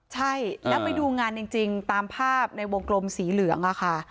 ใช่แล้วไปดูงานจริงตามภาพในวงกลมสีเหลืองอะค่ะ